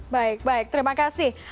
baik baik terima kasih